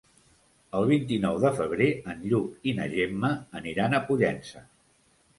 El vint-i-nou de febrer en Lluc i na Gemma aniran a Pollença.